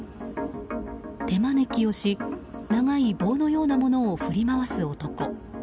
手招きをし長い棒のようなものを振り回す男。